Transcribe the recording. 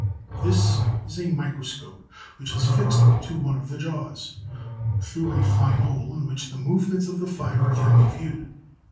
This is a microscope which is fixed to one of the jaws, through a fine hole in which the movements of the fibre can be viewed.